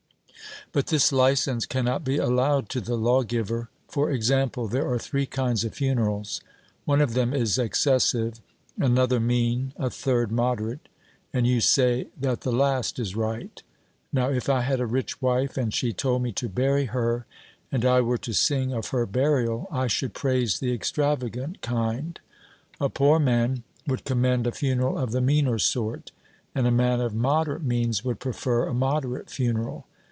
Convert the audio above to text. But this licence cannot be allowed to the lawgiver. For example, there are three kinds of funerals; one of them is excessive, another mean, a third moderate, and you say that the last is right. Now if I had a rich wife, and she told me to bury her, and I were to sing of her burial, I should praise the extravagant kind; a poor man would commend a funeral of the meaner sort, and a man of moderate means would prefer a moderate funeral.